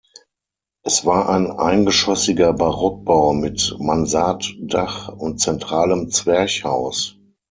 Es war ein eingeschossiger Barockbau mit Mansarddach und zentralem Zwerchhaus.